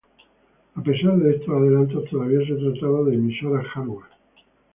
A pesar de estos adelantos todavía se trataba de "emisoras hardware".